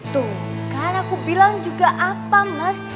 tuh kan aku bilang juga apa mas